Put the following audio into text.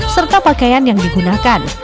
serta pakaian yang digunakan